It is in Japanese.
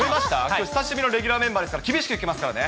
久しぶりのレギュラーメンバーですから、厳しくいきますからね。